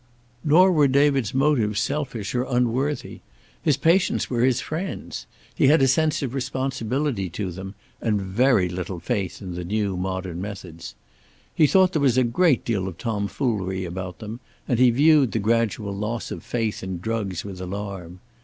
Nor were David's motives selfish or unworthy. His patients were his friends. He had a sense of responsibility to them, and very little faith in the new modern methods. He thought there was a great deal of tomfoolery about them, and he viewed the gradual loss of faith in drugs with alarm.